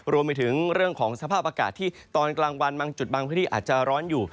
รวมไปถึงเรื่องของสภาพอากาศที่ตอนกลางวันบางจุดบางพื้นที่อาจจะร้อนอยู่